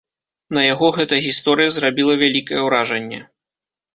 На яго гэта гісторыя зрабіла вялікае ўражанне.